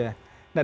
tak bisa sekali